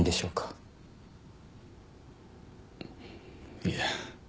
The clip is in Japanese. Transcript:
いえ。